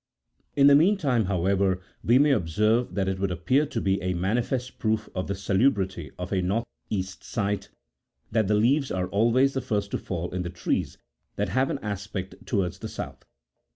In the mean time, however, we may observe that it would appear to be a manifest proof of the salubrity of a north east site, that the leaves are always the first to fall in the trees that have an aspect towards the south.